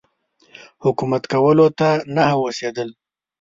حکومت کولو ته نه هوسېدل.